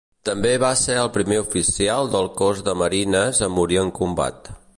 També va ser el primer oficial del Cos de Marines a morir en combat.